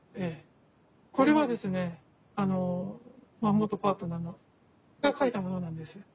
これはですね元パートナーが書いたものなんですよ。